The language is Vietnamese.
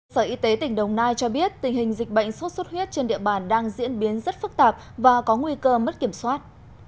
sở y tế tỉnh đồng nai cho biết tình hình dịch bệnh sốt xuất huyết trên địa bàn đang diễn biến rất phức tạp và có nguy cơ mất kiểm soát